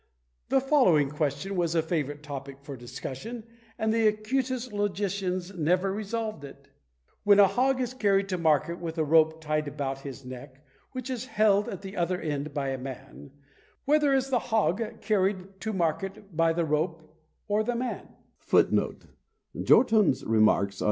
The following question was a favourite topic for discussion, and the acutest logicians never resolved it: "When a hog is carried to market with a rope tied about his neck, which is held at the other end by a man, whether is the hog carried to market by the rope or the man?"